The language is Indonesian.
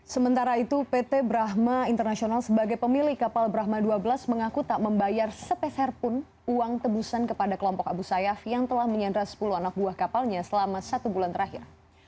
sementara itu pt brahma international sebagai pemilik kapal brahma dua belas mengaku tak membayar sepeserpun uang tebusan kepada kelompok abu sayyaf yang telah menyandra sepuluh anak buah kapalnya selama satu bulan terakhir